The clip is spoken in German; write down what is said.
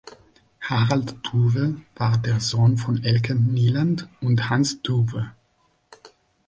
Harald Duwe war der Sohn von Elke Nieland und Hans Duwe.